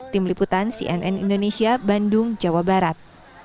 tim liputan cnn indonesia bandung jawa barat